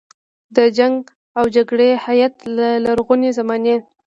د جنګ او جګړې هیت له لرغونې زمانې.